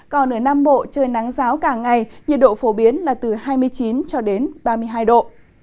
còn ở nam bộ trời nắng giáo cả ngày nhiệt độ phổ biến là từ hai mươi chín ba mươi độ